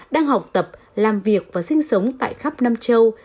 đang học tập làm việc và sinh sống tại khắp nam châu